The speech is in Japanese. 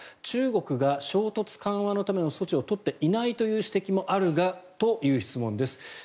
中国が衝突緩和のための措置を取っていないという指摘もあるがという質問です。